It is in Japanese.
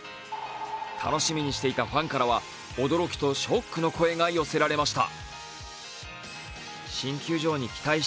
楽しみにしていたファンからは驚きとショックの声が寄せられました。